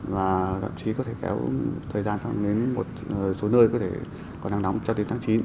và thậm chí có thể kéo thời gian sang đến một số nơi có thể có nắng nóng cho đến tháng chín